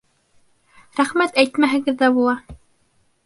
Рәхмәт әйтмәһәгеҙ ҙә була.